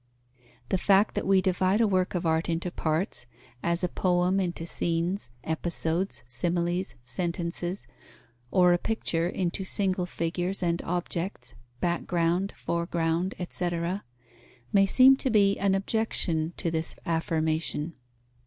The fact that we divide a work of art into parts, as a poem into scenes, episodes, similes, sentences, or a picture into single figures and objects, background, foreground, etc., may seem to be an objection to this affirmation.